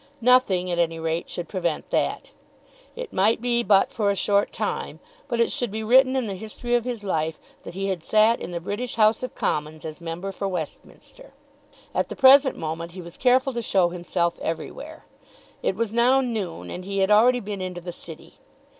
Nothing, at any rate, should prevent that. It might be but for a short time; but it should be written in the history of his life that he had sat in the British House of Commons as member for Westminster. At the present moment he was careful to show himself everywhere. It was now noon, and he had already been into the City.